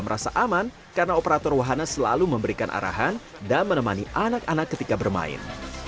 merasa aman karena operator wahana selalu memberikan arahan dan menemani anak anak ketika bermain